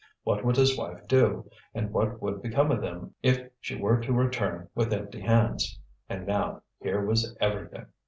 What would his wife do, and what would become of them if she were to return with empty hands? And now, here was everything!